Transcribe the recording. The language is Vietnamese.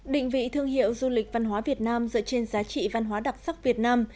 định vị thương hiệu du lịch văn hóa việt nam dựa trên giá trị văn hóa đặc sắc việt nam